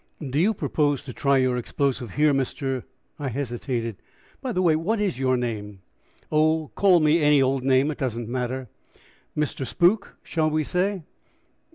"Do you propose to try your explosive here, Mr." I hesitated. "By the way, what is your name?" "Oh, call me any old name; it does not matter!" "Mr. Spook, shall we say?"